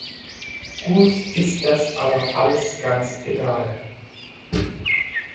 Gus ist das aber alles ganz egal.